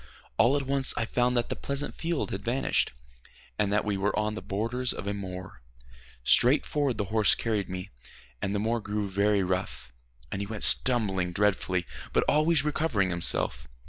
All at once I found that the pleasant field had vanished, and that we were on the borders of a moor. Straight forward the horse carried me, and the moor grew very rough, and he went stumbling dreadfully, but always recovering himself.